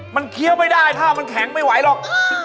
มันเคี้ยวไม่ได้ถ้ามันแข็งไม่ไหวหรอก